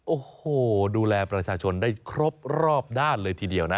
โอ้โหดูแลประชาชนได้ครบรอบด้านเลยทีเดียวนะ